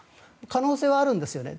可能性はあるんですよね。